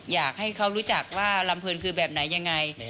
อยากให้เขารู้จักว่าลำเพลินคือแบบไหนยังไง